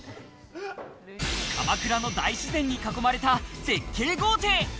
鎌倉の大自然に囲まれた絶景豪邸。